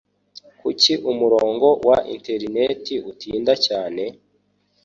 Kuki umurongo wa interineti utinda cyane?